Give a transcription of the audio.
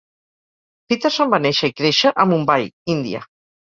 Peterson va néixer i créixer a Mumbai, Índia.